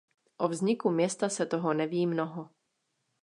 O vzniku města se toho neví mnoho.